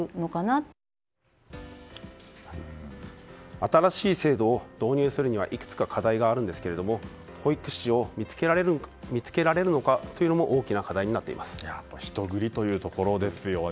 新しい制度を導入するにはいくつか課題があるんですが保育士を見つけられるのかというのもやっぱり人繰りというところですよね。